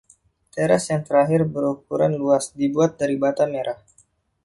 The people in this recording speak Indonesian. Teras yang terakhir berukuran luas, dibuat dari bata merah.